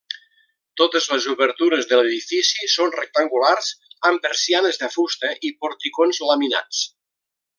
Totes les obertures de l'edifici són rectangulars, amb persianes de fusta i porticons laminats.